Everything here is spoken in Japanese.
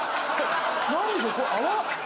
何でしょう。